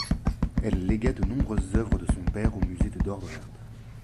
Elle légua de nombreuses œuvres de son père au musée de Dordrecht.